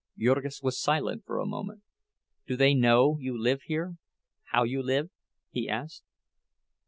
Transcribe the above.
Jurgis was silent for a moment. "Do they know you live here—how you live?" he asked.